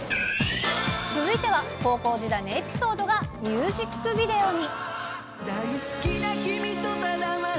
続いては、高校時代のエピソードがミュージックビデオに。